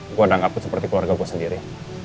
gue udah nganggapnya seperti keluarga gue sendiri